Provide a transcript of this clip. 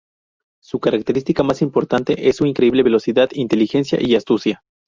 Su característica más importante es su increíble velocidad, inteligencia y astucia.